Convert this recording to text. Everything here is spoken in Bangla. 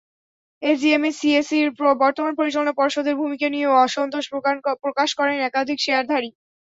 এজিএমে সিএসইর বর্তমান পরিচালনা পর্ষদের ভূমিকা নিয়েও অসন্তোষ প্রকাশ করেন একাধিক শেয়ারধারী।